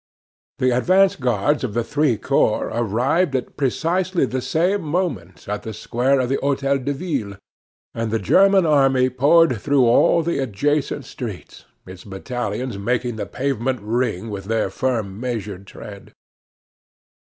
The advance guards of the three corps arrived at precisely the same moment at the Square of the Hotel de Ville, and the German army poured through all the adjacent streets, its battalions making the pavement ring with their firm, measured tread.